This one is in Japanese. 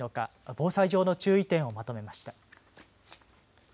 防災上の注意点をまとめました。